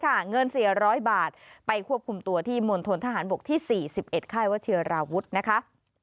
เพราะฉะนั้นเสียร้อยบาทไปควบคุมตัวที่มณฑลทหารบกที่๔๑ค่ายเวอร์เชียราวุฒินะคะ